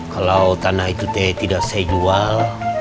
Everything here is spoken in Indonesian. kalau tanah itu tidak saya jual